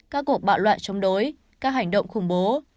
các cuộc bạo loạn chống đối các hành động khủng bố